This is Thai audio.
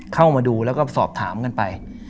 เข้ามาดูแล้วก็สอบถามกันไป